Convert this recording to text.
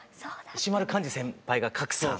石丸幹二先輩が格さん。